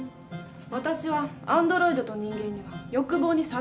私はアンドロイドと人間では欲望に差があると思う。